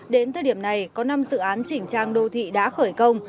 đến thời điểm này có năm dự án chỉnh trang đô thị đã khởi công